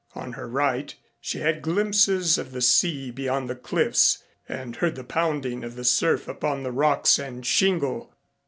On her right she had glimpses of the sea beyond the cliffs and heard the pounding of the surf upon the rocks and shingle.